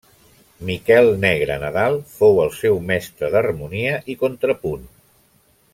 Miquel Negre Nadal fou el seu mestre d'harmonia i contrapunt.